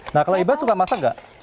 nah kalau iba suka masak nggak